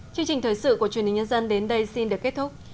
chương trình thời sự của truyền hình nhân dân đến đây xin được kết thúc